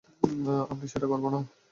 আমরা সেটা করব না।